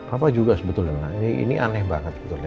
apa juga sebetulnya ini aneh banget sebetulnya